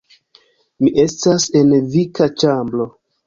Mi estas en vika ĉambro